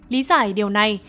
lý giải điều này